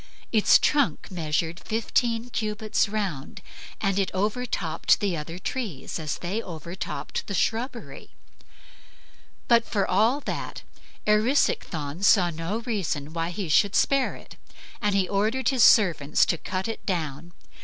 Its trunk measured fifteen cubits round, and it overtopped the other trees as they overtopped the shrubbery. But for all that, Erisichthon saw no reason why he should spare it and he ordered his servants to cut it down.